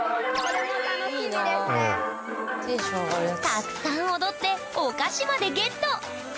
たくさん踊ってお菓子までゲット！